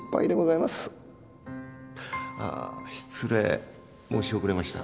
ああ失礼申し遅れました。